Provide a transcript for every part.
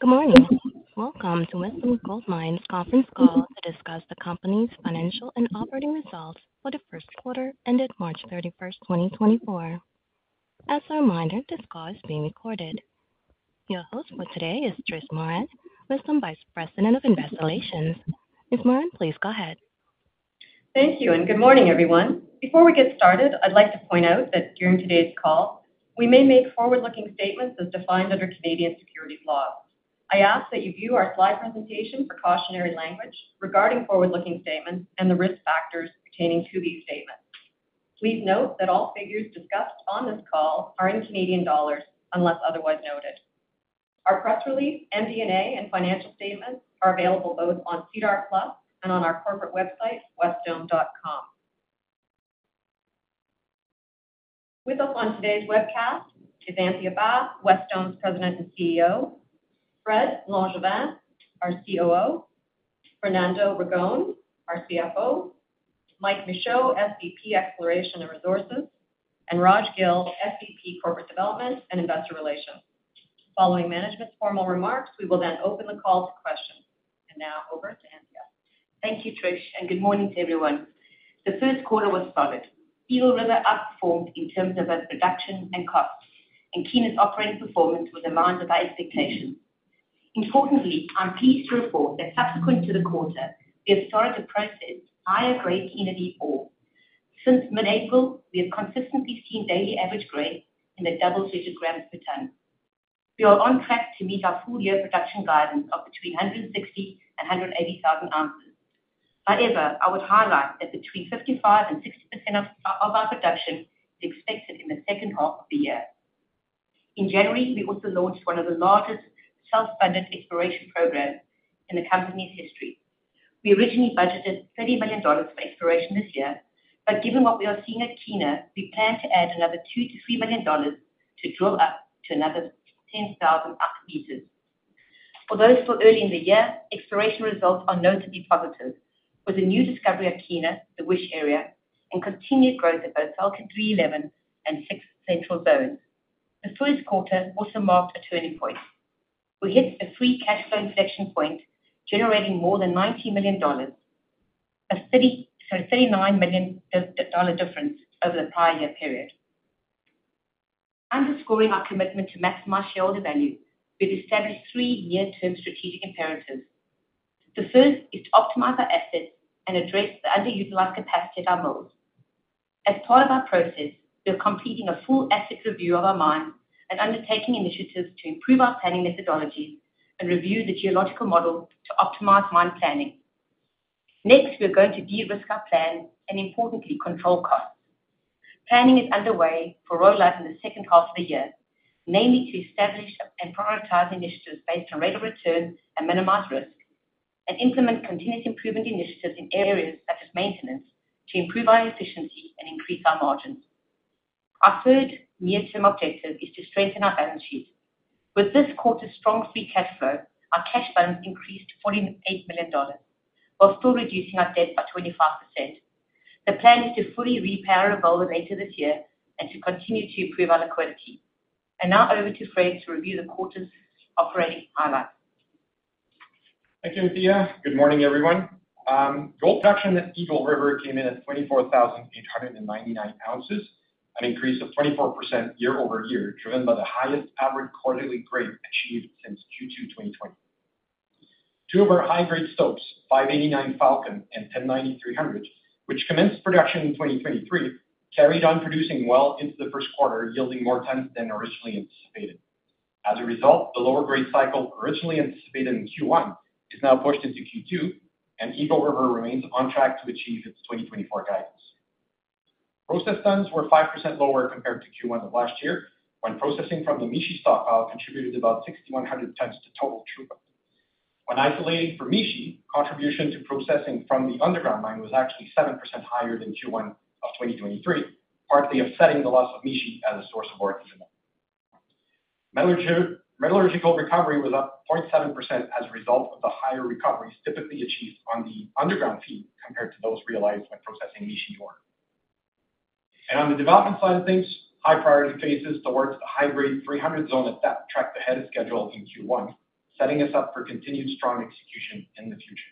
Good morning. Welcome to Wesdome Gold Mines' conference call to discuss the company's financial and operating results for the first quarter ended March 31st, 2024. As a reminder, this call is being recorded. Your host for today is Trish Moran, Wesdome Vice President of Investor Relations. Ms. Moran, please go ahead. Thank you, and good morning, everyone. Before we get started, I'd like to point out that during today's call, we may make forward-looking statements as defined under Canadian securities laws. I ask that you view our slide presentation for cautionary language regarding forward-looking statements and the risk factors pertaining to these statements. Please note that all figures discussed on this call are in Canadian dollars unless otherwise noted. Our press release, MD&A, and financial statements are available both on SEDAR+ and on our corporate website, wesdome.com. With us on today's webcast is Anthea Bath, Wesdome's President and CEO; Fred Langevin, our COO; Fernando Ragone, our CFO; Mike Michaud, SVP Exploration and Resources; and Raj Gill, SVP Corporate Development and Investor Relations. Following management's formal remarks, we will then open the call to questions. Now over to Anthea. Thank you, Trish, and good morning to everyone. The first quarter was solid. Eagle River outperformed in terms of both production and costs, and Kiena's operating performance was aligned with our expectations. Importantly, I'm pleased to report that subsequent to the quarter, we have started to process higher grade Kiena Deep ore. Since mid-April, we have consistently seen daily average grade in the double-digit grams per tonne. We are on track to meet our full-year production guidance of between 160,000 and 180,000 ounces. However, I would highlight that between 55%-60% of our production is expected in the second half of the year. In January, we also launched one of the largest self-funded exploration programs in the company's history. We originally budgeted 30 million dollars for exploration this year, but given what we are seeing at Kiena, we plan to add another 2-3 million dollars to drill up to another 10,000m. For those still early in the year, exploration results are notably positive, with a new discovery at Kiena, the Wish Zone, and continued growth at both Falcon 311 and Zone 6 Central. The first quarter also marked a turning point. We hit a free cash flow inflection point generating more than 90 million dollars, a 39 million dollar difference over the prior year period. Underscoring our commitment to maximize shareholder value, we have established three-year-term strategic imperatives. The first is to optimize our assets and address the underutilized capacity at our mills. As part of our process, we are completing a full asset review of our mine and undertaking initiatives to improve our planning methodologies and review the geological model to optimize mine planning. Next, we are going to de-risk our plan and, importantly, control costs. Planning is underway for roadmap in the second half of the year, namely to establish and prioritize initiatives based on rate of return and minimize risk, and implement continuous improvement initiatives in areas such as maintenance to improve our efficiency and increase our margins. Our third near-term objective is to strengthen our balance sheet. With this quarter's strong free cash flow, our cash balance increased to 48 million dollars while still reducing our debt by 25%. The plan is to fully re-power the mill later this year and to continue to improve our liquidity. And now over to Fred to review the quarter's operating highlights. Thank you, Anthea. Good morning, everyone. Gold production at Eagle River came in at 24,899 ounces, an increase of 24% year-over-year driven by the highest average quarterly grade achieved since Q2 2020. Two of our high-grade stopes, 589 Falcon and 1090 300, which commenced production in 2023, carried on producing well into the first quarter, yielding more tons than originally anticipated. As a result, the lower-grade cycle originally anticipated in Q1 is now pushed into Q2, and Eagle River remains on track to achieve its 2024 guidance. Processed tons were 5% lower compared to Q1 of last year, when processing from the Mishi stockpile contributed about 6,100 tons to total throughput. When isolating for Mishi, contribution to processing from the underground mine was actually 7% higher than Q1 of 2023, partly offsetting the loss of Mishi as a source of ore in the mill. Metallurgical recovery was up 0.7% as a result of the higher recoveries typically achieved on the underground feed compared to those realized when processing Mishi ore. On the development side of things, high-priority phases towards the high-grade 300 zone at depth tracked ahead of schedule in Q1, setting us up for continued strong execution in the future.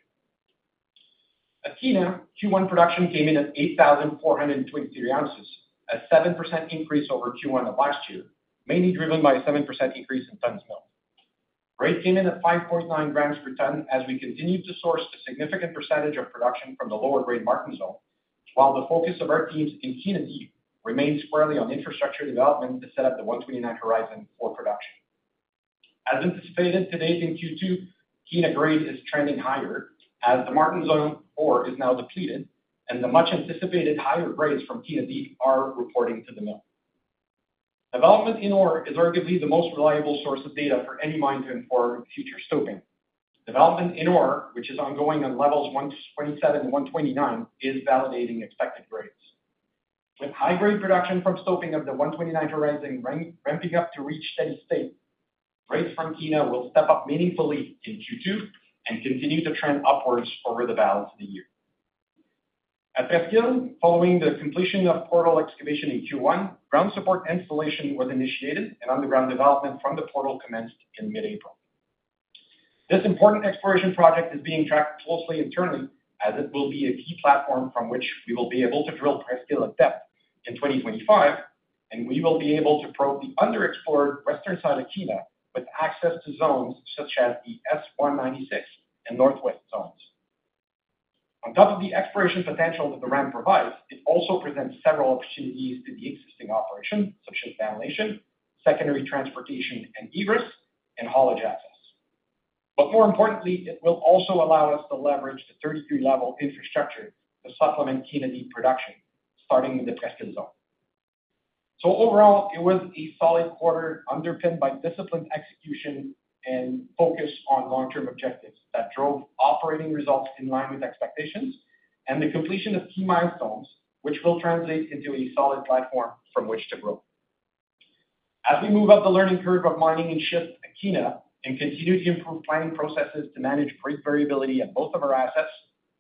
At Kiena, Q1 production came in at 8,423 ounces, a 7% increase over Q1 of last year, mainly driven by a 7% increase in tons milled. Grade came in at 5.9g per ton as we continued to source a significant percentage of production from the lower-grade Martin zone, while the focus of our teams in Kiena Deep remained squarely on infrastructure development to set up the 129 horizon for production. As anticipated, today's in Q2, Kiena grade is trending higher as the Martin Zone ore is now depleted, and the much-anticipated higher grades from Kiena Deep are reporting to the mill. Development in ore is arguably the most reliable source of data for any mine to inform future stoping. Development in ore, which is ongoing on levels 127 and 129, is validating expected grades. With high-grade production from stoping of the 129 horizon ramping up to reach steady state, grades from Kiena will step up meaningfully in Q2 and continue to trend upwards over the balance of the year. At Presqu'ile, following the completion of portal excavation in Q1, ground support installation was initiated, and underground development from the portal commenced in mid-April. This important exploration project is being tracked closely internally as it will be a key platform from which we will be able to drill Presqu'ile at depth in 2025, and we will be able to probe the underexplored western side of Kiena with access to zones such as the S196 and northwest zones. On top of the exploration potential that the ramp provides, it also presents several opportunities to the existing operation, such as ventilation, secondary transportation and egress, and haulage access. But more importantly, it will also allow us to leverage the 33-level infrastructure to supplement Kiena Deep production, starting with the Presqu'ile zone. So overall, it was a solid quarter underpinned by disciplined execution and focus on long-term objectives that drove operating results in line with expectations and the completion of key milestones, which will translate into a solid platform from which to grow. As we move up the learning curve of mining in schist at Kiena and continue to improve planning processes to manage grade variability at both of our assets,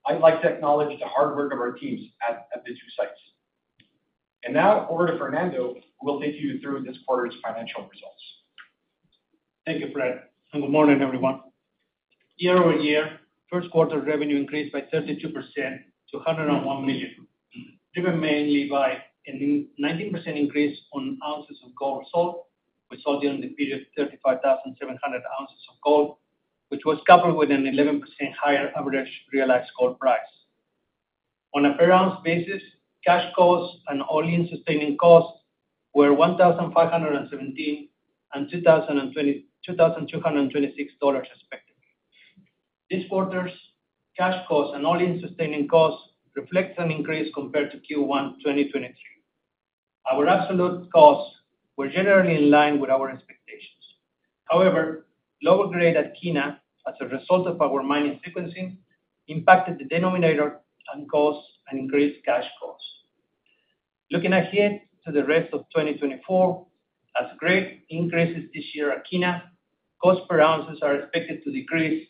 I'd like to acknowledge the hard work of our teams at the two sites. Now over to Fernando who will take you through this quarter's financial results. Thank you, Fred. Good morning, everyone. Year over year, first quarter revenue increased by 32% to 101 million, driven mainly by a 19% increase in ounces of gold sold, we sold during the period 35,700 ounces of gold, which was coupled with an 11% higher average realized gold price. On a per-ounce basis, cash costs and all-in sustaining costs were 1,517 and 2,226 dollars respectively. This quarter's cash costs and all-in sustaining costs reflect an increase compared to Q1 2023. Our absolute costs were generally in line with our expectations. However, lower grade at Kiena as a result of our mining sequencing impacted the denominator and caused an increased cash cost. Looking ahead to the rest of 2024, as grade increases this year at Kiena, costs per ounces are expected to decrease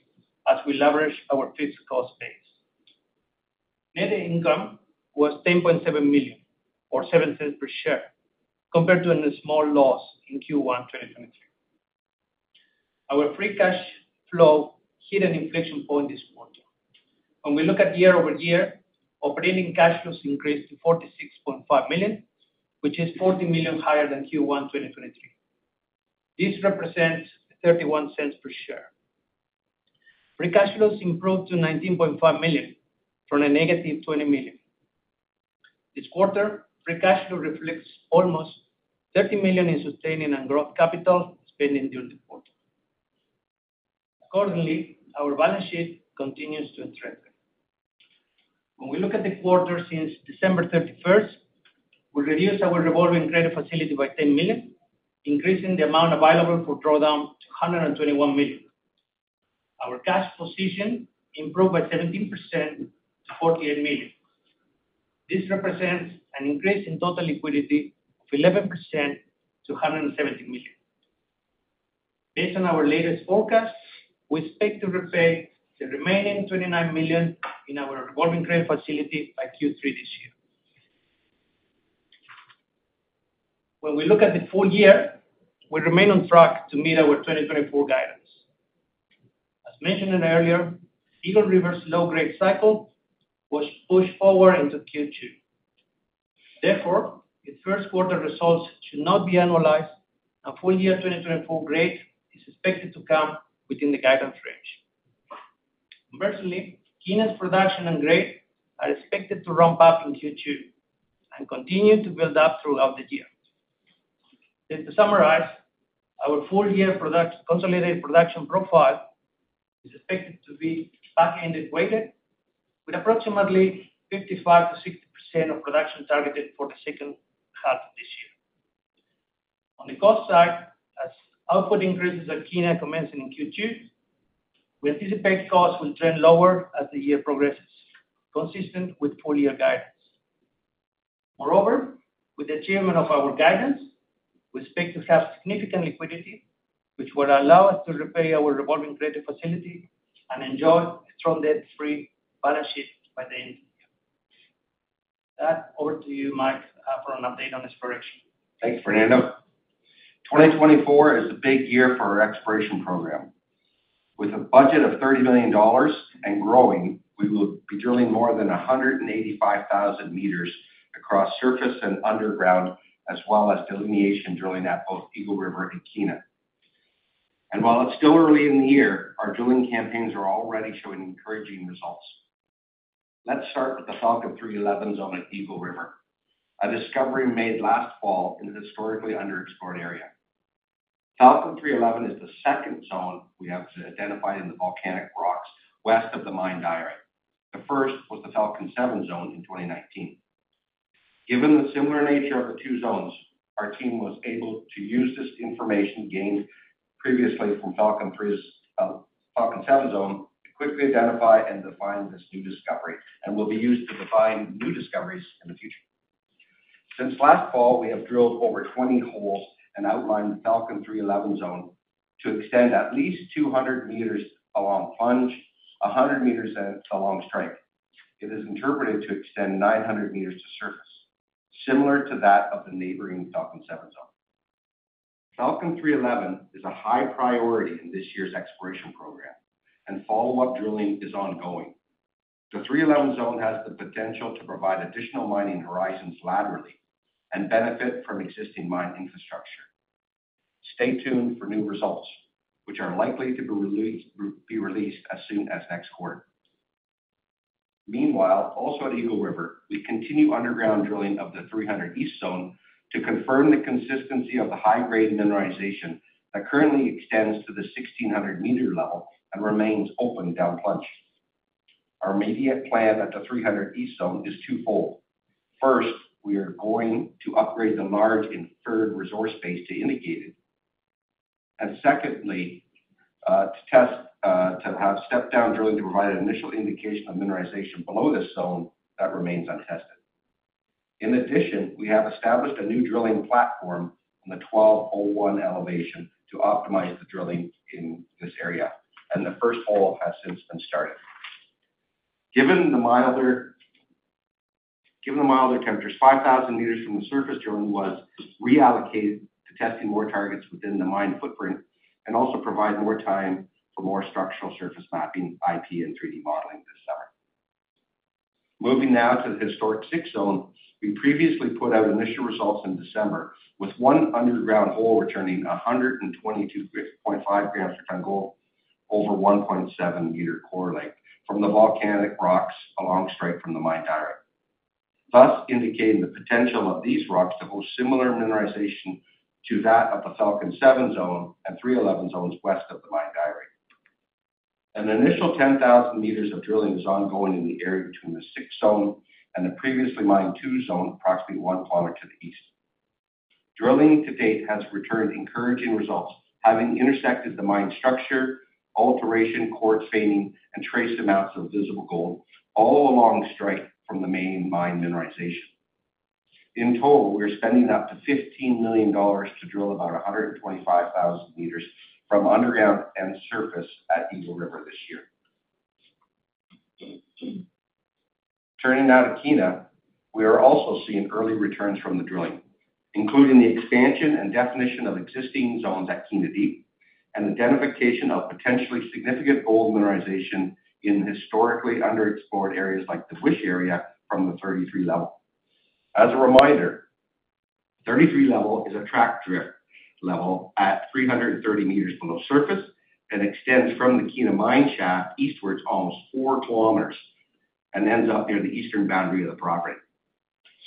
as we leverage our fixed cost base. Net income was 10.7 million or 0.07 per share compared to a small loss in Q1 2023. Our free cash flow hit an inflection point this quarter. When we look at year-over-year, operating cash flows increased to 46.5 million, which is 40 million higher than Q1 2023. This represents 0.31 per share. Free cash flows improved to 19.5 million from a negative 20 million. This quarter, free cash flow reflects almost 30 million in sustaining and growth capital spending during the quarter. Accordingly, our balance sheet continues to strengthen. When we look at the quarter since December 31st, we reduced our revolving credit facility by 10 million, increasing the amount available for drawdown to 121 million. Our cash position improved by 17% to 48 million. This represents an increase in total liquidity of 11% to 170 million. Based on our latest forecasts, we expect to repay the remaining 29 million in our revolving credit facility by Q3 this year. When we look at the full year, we remain on track to meet our 2024 guidance. As mentioned earlier, Eagle River's low-grade cycle was pushed forward into Q2. Therefore, its first quarter results should not be annualized, and full-year 2024 grade is expected to come within the guidance range. Conversely, Kiena's production and grade are expected to ramp up in Q2 and continue to build up throughout the year. To summarize, our full-year consolidated production profile is expected to be back-end weighted, with approximately 55%-60% of production targeted for the second half of this year. On the cost side, as output increases at Kiena commencing in Q2, we anticipate costs will trend lower as the year progresses, consistent with full-year guidance. Moreover, with the achievement of our guidance, we expect to have significant liquidity, which will allow us to repay our revolving credit facility and enjoy a strong debt-free balance sheet by the end of the year. Over to you, Mike, for an update on exploration. Thanks, Fernando. 2024 is a big year for our exploration program. With a budget of 30 million dollars and growing, we will be drilling more than 185,000m across surface and underground, as well as delineation drilling at both Eagle River and Kiena. While it's still early in the year, our drilling campaigns are already showing encouraging results. Let's start with the Falcon 311 Zone at Eagle River, a discovery made last fall in a historically underexplored area. Falcon 311 is the second zone we have identified in the volcanic rocks west of the mine diorite. The first was the Falcon 7 Zone in 2019. Given the similar nature of the two zones, our team was able to use this information gained previously from Falcon 7 Zone to quickly identify and define this new discovery and will be used to define new discoveries in the future. Since last fall, we have drilled over 20 holes and outlined the Falcon 311 Zone to extend at least 200m along plunge, 100m along strike. It is interpreted to extend 900m to surface, similar to that of the neighboring Falcon 7 Zone. Falcon 311 is a high priority in this year's exploration program, and follow-up drilling is ongoing. The 311 Zone has the potential to provide additional mining horizons laterally and benefit from existing mine infrastructure. Stay tuned for new results, which are likely to be released as soon as next quarter. Meanwhile, also at Eagle River, we continue underground drilling of the 300 East Zone to confirm the consistency of the high-grade mineralization that currently extends to the 1,600m level and remains open down plunge. Our immediate plan at the 300 East Zone is twofold. First, we are going to upgrade the large Inferred resource base to Indicated. Secondly, to have stepped-down drilling to provide an initial indication of mineralization below this zone that remains untested. In addition, we have established a new drilling platform in the 1201 elevation to optimize the drilling in this area, and the first hole has since been started. Given the milder temperatures, 5,000m from the surface drilling was reallocated to testing more targets within the mine footprint and also provide more time for more structural surface mapping, IP, and 3D modeling this summer. Moving now to the historic 6 Zone, we previously put out initial results in December, with one underground hole returning 122.5g per ton gold over 1.7m core length from the volcanic rocks along strike from the mine diorite, thus indicating the potential of these rocks to host similar mineralization to that of the Falcon 7 Zone and 311 Zones west of the mine diorite. An initial 10,000m of drilling is ongoing in the area between the 6 Zone and the previously mined 2 Zone, approximately 1km to the east. Drilling to date has returned encouraging results, having intersected the mine structure, alteration, quartz veining, and trace amounts of visible gold all along strike from the main mine mineralization. In total, we are spending up to 15 million dollars to drill about 125,000m from underground and surface at Eagle River this year. Turning now to Kiena, we are also seeing early returns from the drilling, including the expansion and definition of existing zones at Kiena Deep and the identification of potentially significant gold mineralization in historically underexplored areas like the Wish Zone from the 33 level. As a reminder, the 33 level is a track drift level at 330m below surface and extends from the Kiena mine shaft eastwards almost 4km and ends up near the eastern boundary of the property.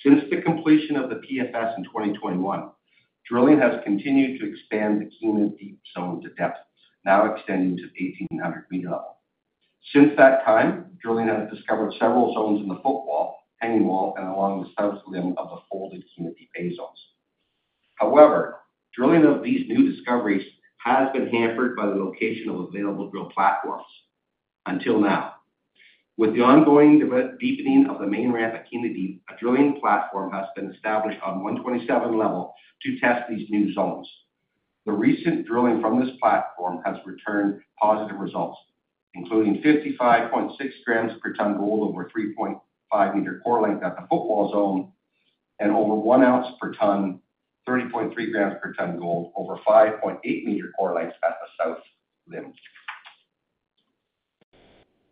Since the completion of the PFS in 2021, drilling has continued to expand the Kiena Deep zone to depth, now extending to the 1,800m level. Since that time, drilling has discovered several zones in the footwall, hanging wall, and along the south limb of the folded Kiena Deep A zones. However, drilling of these new discoveries has been hampered by the location of available drill platforms until now. With the ongoing deepening of the main ramp at Kiena Deep, a drilling platform has been established on 127 level to test these new zones. The recent drilling from this platform has returned positive results, including 55.6g per ton gold over 3.5m core length at the footwall zone and over 1 ounce per ton, 30.3g per ton gold over 5.8m core length at the south limb.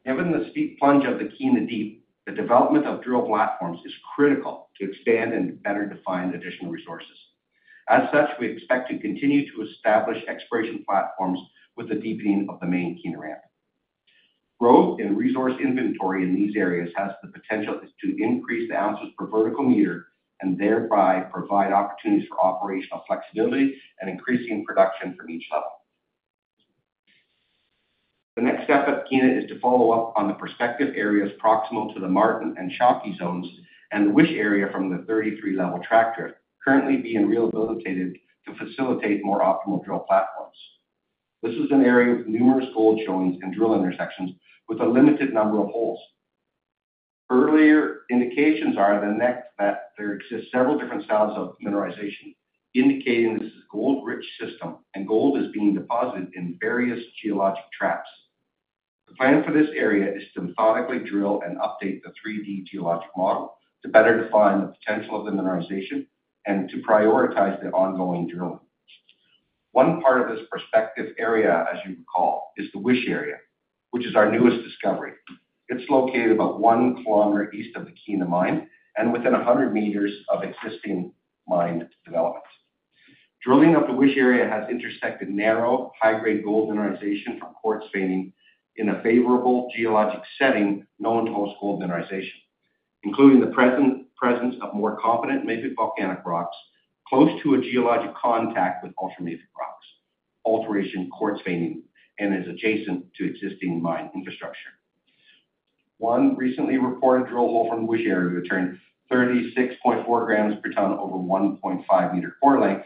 Given the steep plunge of the Kiena Deep, the development of drill platforms is critical to expand and better define additional resources. As such, we expect to continue to establish exploration platforms with the deepening of the main Kiena ramp. Growth in resource inventory in these areas has the potential to increase the ounces per vertical meter and thereby provide opportunities for operational flexibility and increasing production from each level. The next step at Kiena is to follow up on the prospective areas proximal to the Martin and Shawkey zones and the Wish area from the 33-level track drift, currently being rehabilitated to facilitate more optimal drill platforms. This is an area with numerous gold showings and drill intersections with a limited number of holes. Earlier indications are that there exist several different styles of mineralization, indicating this is a gold-rich system and gold is being deposited in various geologic traps. The plan for this area is to methodically drill and update the 3D geologic model to better define the potential of the mineralization and to prioritize the ongoing drilling. One part of this prospective area, as you recall, is the Wish area, which is our newest discovery. It's located about 1km east of the Kiena Mine and within 100m of existing mine development. Drilling of the Wish area has intersected narrow, high-grade gold mineralization from quartz veining in a favorable geologic setting known to host gold mineralization, including the presence of more confident mafic volcanic rocks close to a geologic contact with ultramafic rocks, alteration, quartz veining, and is adjacent to existing mine infrastructure. One recently reported drill hole from the Wish area returned 36.4g per ton over 1.5m core length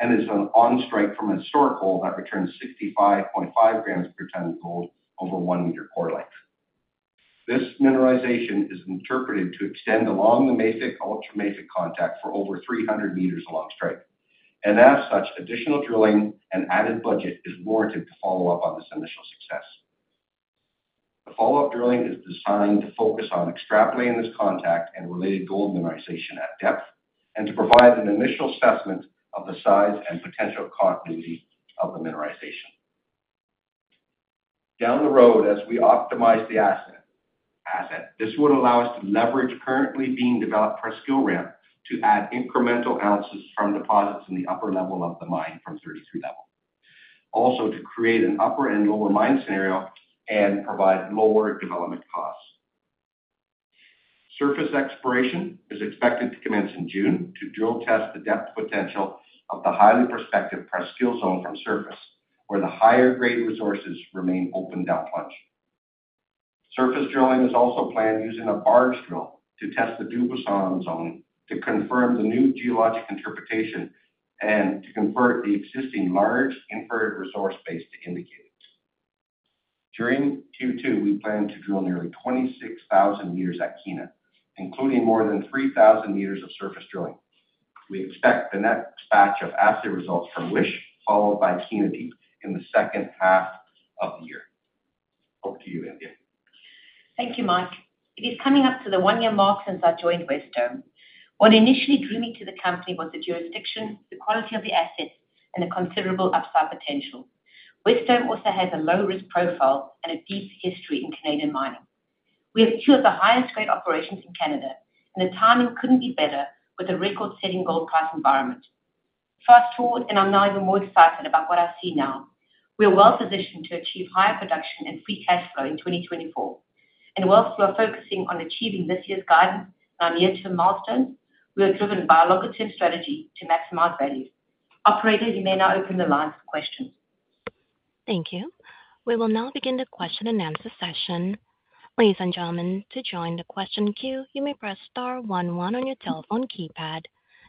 and is on strike from a historic hole that returned 65.5g per ton gold over 1m core length. This mineralization is interpreted to extend along the mafic ultramafic contact for over 300m along strike. As such, additional drilling and added budget is warranted to follow up on this initial success. The follow-up drilling is designed to focus on extrapolating this contact and related gold mineralization at depth and to provide an initial assessment of the size and potential continuity of the mineralization. Down the road, as we optimize the asset, this would allow us to leverage currently being developed Presqu'ile ramp to add incremental ounces from deposits in the upper level of the mine from 33 level, also to create an upper and lower mine scenario and provide lower development costs. Surface exploration is expected to commence in June to drill test the depth potential of the highly prospective Presqu'ile zone from surface, where the higher-grade resources remain open down plunge. Surface drilling is also planned using a barge drill to test the Dubuisson zone to confirm the new geologic interpretation and to convert the existing large inferred resource base to Indicated. During Q2, we plan to drill nearly 26,000m at Kiena, including more than 3,000m of surface drilling. We expect the next batch of asset results from Wish, followed by Kiena Deep in the second half of the year. Over to you, Anthea. Thank you, Mike. It is coming up to the one-year mark since I joined Wesdome. What initially drew me to the company was the jurisdiction, the quality of the assets, and the considerable upside potential. Wesdome also has a low-risk profile and a deep history in Canadian mining. We have two of the highest-grade operations in Canada, and the timing couldn't be better with a record-setting gold price environment. Fast forward, and I'm now even more excited about what I see now. We are well positioned to achieve higher production and free cash flow in 2024. While we are focusing on achieving this year's guidance and our near-term milestones, we are driven by a longer-term strategy to maximize value. Operator, you may now open the line for questions. Thank you. We will now begin the question-and-answer session. Ladies and gentlemen, to join the question queue, you may press star one one on your telephone keypad.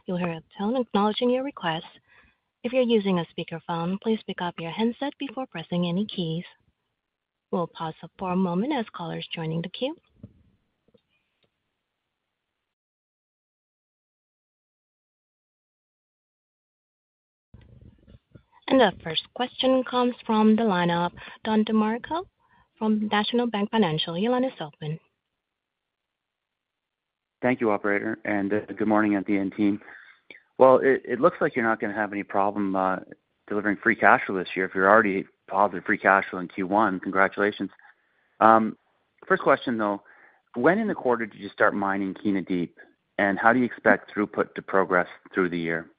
You'll hear a tone acknowledging your request. If you're using a speakerphone, please pick up your headset before pressing any keys. We'll pause for a moment as callers joining the queue. The first question comes from the lineup, Don DeMarco from National Bank Financial, your line is open. Thank you, Operator, and good morning, everyone. Well, it looks like you're not going to have any problem delivering free cash flow this year if you're already positive free cash flow in Q1. Congratulations. First question, though. When in the quarter did you start mining Kiena Deep, and how do you expect throughput to progress through the year?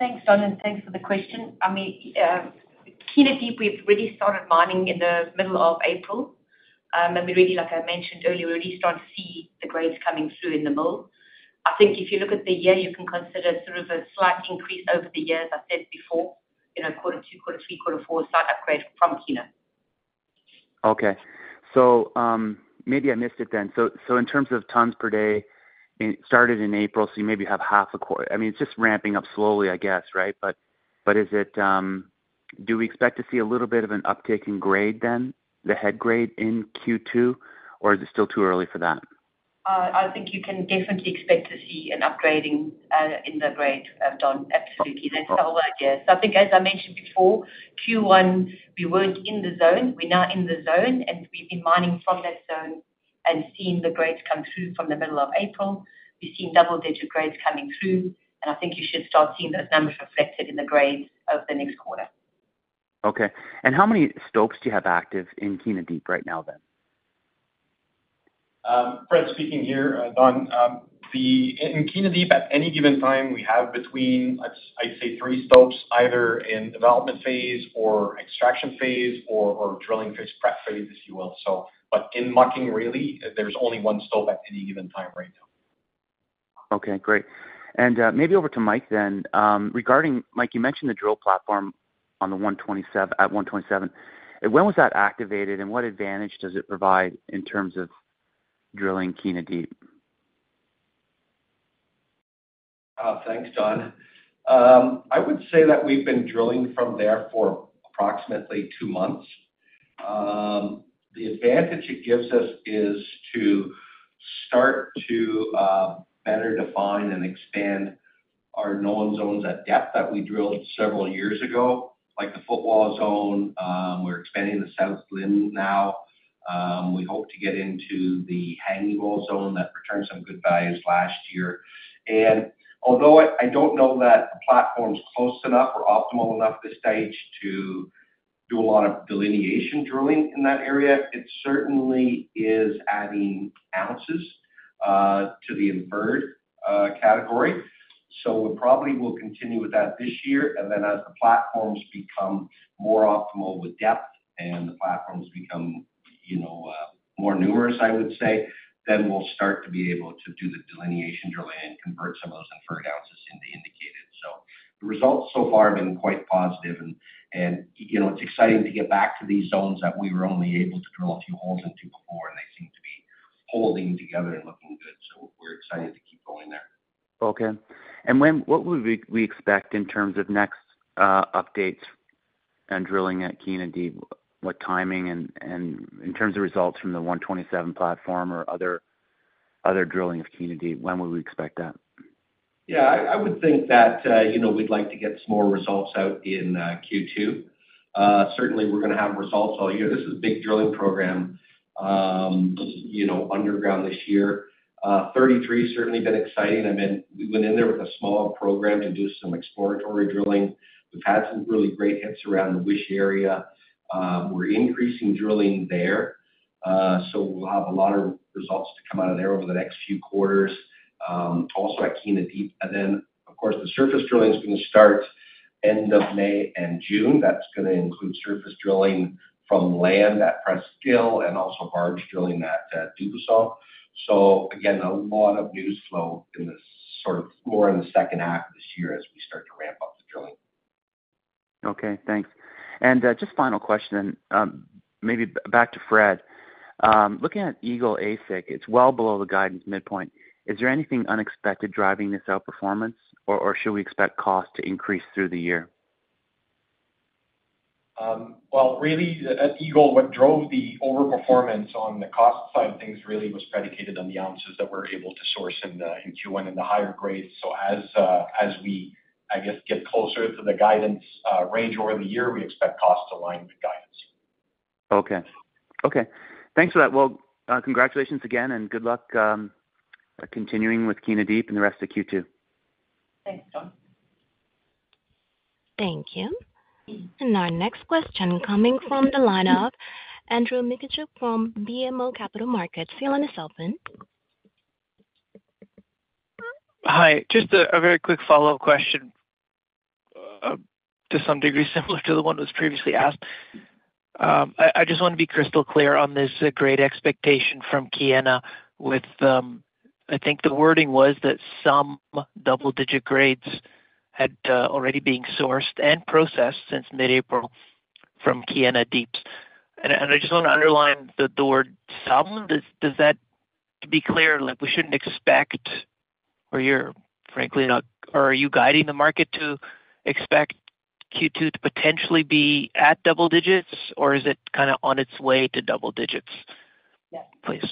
Thanks, Don, and thanks for the question. I mean, Kiena Deep, we've really started mining in the middle of April. And we really, like I mentioned earlier, we're really starting to see the grades coming through in the mill. I think if you look at the year, you can consider sort of a slight increase over the years, as I said before, quarter two, quarter three, quarter four, slight upgrade from Kiena. Okay. So maybe I missed it then. So in terms of tons per day, it started in April, so you maybe have half a quarter. I mean, it's just ramping up slowly, I guess, right? But do we expect to see a little bit of an uptick in grade then, the head grade in Q2, or is it still too early for that? I think you can definitely expect to see an upgrading in the grade, Don. Absolutely. That's the whole idea. So I think, as I mentioned before, Q1, we weren't in the zone. We're now in the zone, and we've been mining from that zone and seeing the grades come through from the middle of April. We've seen double-digit grades coming through, and I think you should start seeing those numbers reflected in the grades of the next quarter. Okay. And how many stopes do you have active in Kiena Deep right now then? Fred speaking here, Don. In Kiena Deep, at any given time, we have between, I'd say, three stopes, either in development phase or extraction phase or drilling phase, prep phase, if you will. But in mucking, really, there's only one stope at any given time right now. Okay. Great. And maybe over to Mike then. Mike, you mentioned the drill platform at 127. When was that activated, and what advantage does it provide in terms of drilling Kiena Deep? Thanks, Don. I would say that we've been drilling from there for approximately two months. The advantage it gives us is to start to better define and expand our known zones at depth that we drilled several years ago, like the footwall zone. We're expanding the south limb now. We hope to get into the hanging wall zone that returned some good values last year. And although I don't know that the platform's close enough or optimal enough at this stage to do a lot of delineation drilling in that area, it certainly is adding ounces to the inferred category. So we probably will continue with that this year. And then as the platforms become more optimal with depth and the platforms become more numerous, I would say, then we'll start to be able to do the delineation drilling and convert some of those inferred ounces into indicated. The results so far have been quite positive. It's exciting to get back to these zones that we were only able to drill a few holes into before, and they seem to be holding together and looking good. We're excited to keep going there. Okay. And what would we expect in terms of next updates and drilling at Kiena Deep? What timing? And in terms of results from the 127 platform or other drilling of Kiena Deep, when would we expect that? Yeah. I would think that we'd like to get some more results out in Q2. Certainly, we're going to have results all year. This is a big drilling program underground this year. 33 has certainly been exciting. I mean, we went in there with a small program to do some exploratory drilling. We've had some really great hits around the Wish area. We're increasing drilling there, so we'll have a lot of results to come out of there over the next few quarters, also at Kiena Deep. And then, of course, the surface drilling is going to start end of May and June. That's going to include surface drilling from land at Presqu'ile and also barge drilling at Dubuisson. So again, a lot of news flow more in the second half of this year as we start to ramp up the drilling. Okay. Thanks. Just final question, maybe back to Fred. Looking at Eagle AISC, it's well below the guidance midpoint. Is there anything unexpected driving this outperformance, or should we expect cost to increase through the year? Well, really, at Eagle, what drove the overperformance on the cost side of things really was predicated on the ounces that we're able to source in Q1 and the higher grades. So as we, I guess, get closer to the guidance range over the year, we expect costs to align with guidance. Okay. Okay. Thanks for that. Well, congratulations again, and good luck continuing with Kiena Deep and the rest of Q2. Thanks, Don. Thank you. Our next question coming from the lineup, Andrew Mikitchook from BMO Capital Markets, your line is open. Hi. Just a very quick follow-up question to some degree similar to the one that was previously asked. I just want to be crystal clear on this grade expectation from Kiena. I think the wording was that some double-digit grades had already been sourced and processed since mid-April from Kiena Deep. And I just want to underline the word some. Does that be clear? We shouldn't expect or you're, frankly, not or are you guiding the market to expect Q2 to potentially be at double digits, or is it kind of on its way to double digits? Yes. Please.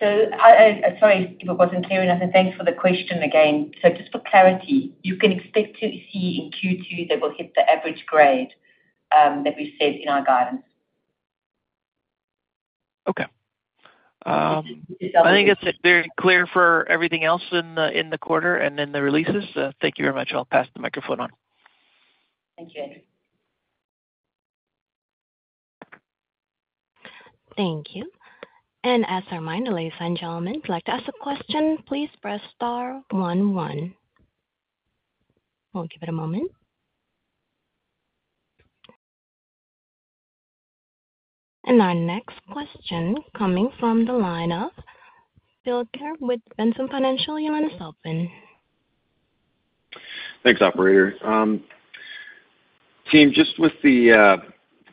Yeah. Sorry if it wasn't clear enough, and thanks for the question again. Just for clarity, you can expect to see in Q2 that we'll hit the average grade that we've set in our guidance. Okay. I think it's very clear for everything else in the quarter and in the releases. Thank you very much. I'll pass the microphone on. Thank you, Andrew. Thank you. As a reminder, ladies and gentlemen, if you'd like to ask a question, please press star 11. We'll give it a moment. Our next question coming from the lineup, Phil Ker with Ventum Financial, your line is open. Thanks, Operator. Team, just with the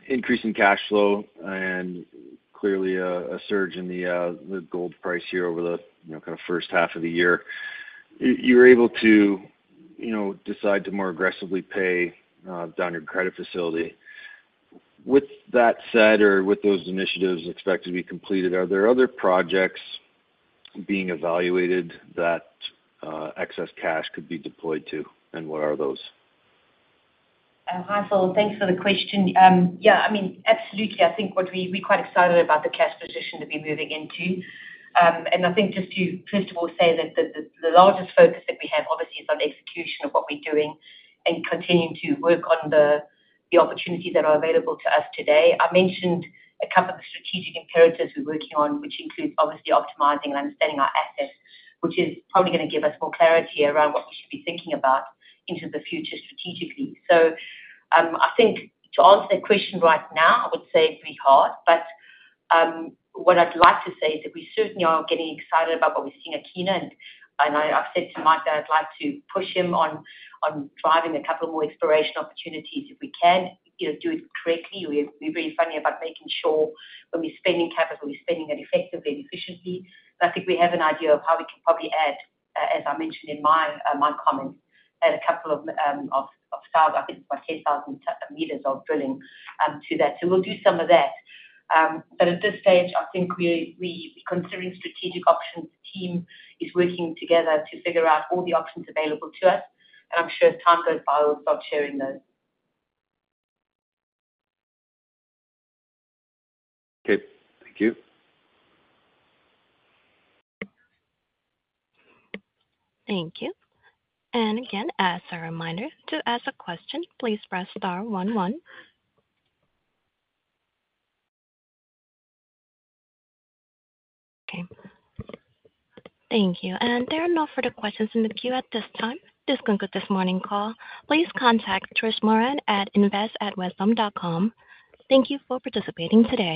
increase in cash flow and clearly a surge in the gold price here over the kind of first half of the year, you were able to decide to more aggressively pay down your credit facility. With that said or with those initiatives expected to be completed, are there other projects being evaluated that excess cash could be deployed to, and what are those? Hi. So thanks for the question. Yeah. I mean, absolutely. I think we're quite excited about the cash position to be moving into. And I think just to, first of all, say that the largest focus that we have, obviously, is on execution of what we're doing and continuing to work on the opportunities that are available to us today. I mentioned a couple of the strategic imperatives we're working on, which includes, obviously, optimizing and understanding our assets, which is probably going to give us more clarity around what we should be thinking about into the future strategically. So I think to answer that question right now, I would say it'd be hard. But what I'd like to say is that we certainly are getting excited about what we're seeing at Kiena. I've said to Mike that I'd like to push him on driving a couple of more exploration opportunities if we can, do it correctly. We're very funny about making sure when we're spending capital, we're spending it effectively and efficiently. I think we have an idea of how we can probably add, as I mentioned in my comments, add a couple of thousand. I think it's about 10,000m of drilling to that. So we'll do some of that. But at this stage, I think considering strategic options, the team is working together to figure out all the options available to us. I'm sure as time goes by, we'll start sharing those. Okay. Thank you. Thank you. And again, as a reminder, to ask a question, please press star one one. Okay. Thank you. And there are no further questions in the queue at this time. This concludes this morning call. Please contact trishmoran@invest.wesdome.com. Thank you for participating today.